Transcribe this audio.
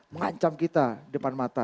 mengancam kita depan mata